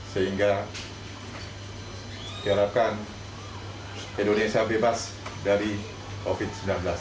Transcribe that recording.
sehingga diharapkan indonesia bebas dari covid sembilan belas